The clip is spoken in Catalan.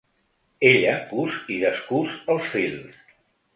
Ella cus i descús els fils.